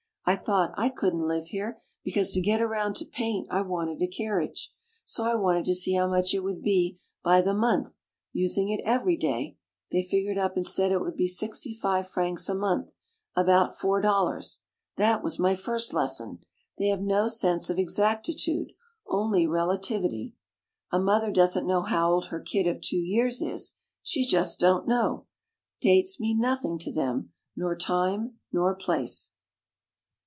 I thought, I couldn't live here, because to get around to paint I wanted a carriage. So I wanted to see how much it would be by the month, using it every day — they figured up and said it would be 65 frcs a month — about $4 — that was my first lesson. They have no sense of exactitude, only relativity. A mother doesn't know how old her kid of two years is — she Just don't know. Dates mean nothing to them. Nor time nor place.